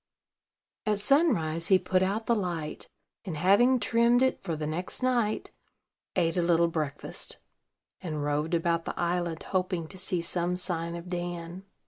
At sunrise he put out the light, and, having trimmed it for the next night, ate a little breakfast, and roved about the island hoping to see some sign of Dan.